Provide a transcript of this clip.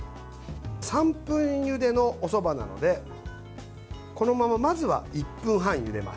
３分ゆでのおそばなのでこのまま、まずは１分半ゆでます。